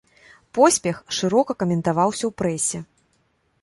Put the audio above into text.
Поспех шырока каментаваўся ў прэсе.